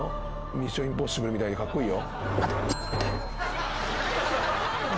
『ミッション：インポッシブル』みたいでカッコイイよ」